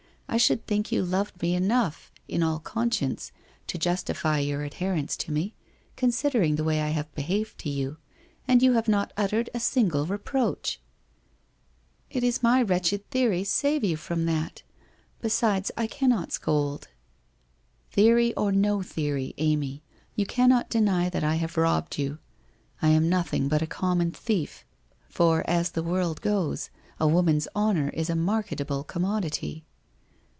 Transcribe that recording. I should think you loved me enough, in all con science, to justify your adherence to me, considering the way I have behaved to you, and you have not uttered a single reproach !' 308 WHITE ROSE OF WEARY LEAF 309 ' It is my wretched theories save you from that. Be sides I cannot scold.' ' Theory or no theory, Amy, you cannot deny that I have robbed vou. I am nothing: but a common thief. For as the world goes, a woman's honour is a marketable commodity.'